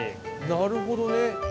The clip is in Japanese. なるほどね。